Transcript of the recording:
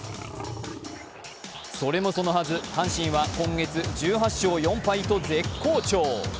それもそのはず、阪神は今月１８勝４敗と絶好調。